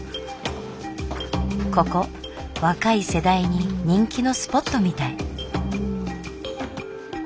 ここ若い世代に人気のスポットみたい。